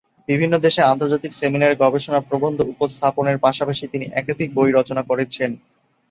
বিভিন্ন দেশে আন্তর্জাতিক সেমিনারে গবেষণা প্রবন্ধ উপস্থাপনের পাশাপাশি তিনি একাধিক বই রচনা করেছেন।